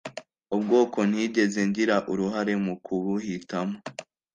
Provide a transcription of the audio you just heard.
ubwoko ntigeze ngira uruhare mukubuhitamo,